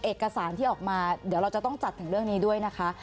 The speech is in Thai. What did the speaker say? เอกสารที่ออกมาเดี๋ยวเราจะต้องจัดถึงเรื่องนี้ด้วยนะคะ